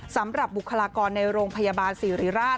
สำหรับบุคลากรในโรงพยาบาลศิริราช